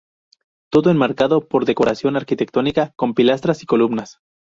Todo enmarcado por decoración arquitectónica con pilastras y columnas.